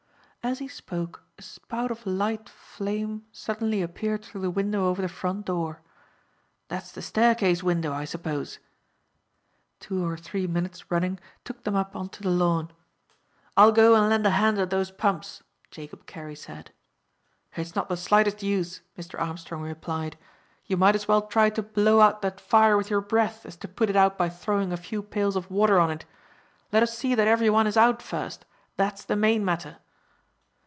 As he spoke a spout of light flame suddenly appeared through the window over the front door. "That's the staircase window, I suppose." Two or three minutes' running took them up on to the lawn. "I will go and lend a hand at those pumps," Jacob Carey said. "It's not the slightest use," Mr. Armstrong replied. "You might as well try to blow out that fire with your breath as to put it out by throwing a few pails of water on it. Let us see that every one is out first; that's the main matter."